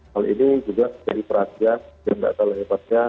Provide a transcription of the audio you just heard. hal ini juga jadi perhatian yang tidak terlalu hebatnya